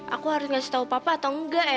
aku harus ngasih tau papa atau engga ya